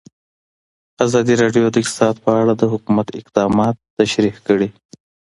ازادي راډیو د اقتصاد په اړه د حکومت اقدامات تشریح کړي.